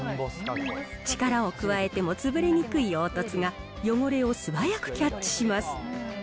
力を加えても潰れにくい凹凸が汚れを素早くキャッチします。